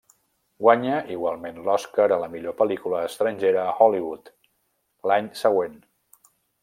Guanya igualment l'Oscar a la millor pel·lícula estrangera a Hollywood, l'any següent.